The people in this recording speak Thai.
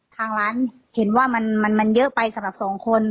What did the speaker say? ทางร้านเห็นว่ามันเยอะไปสำหรับสองคน